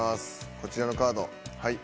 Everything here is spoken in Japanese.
こちらのカード。